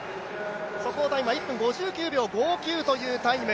速報タイムは１分５９秒５９というタイム。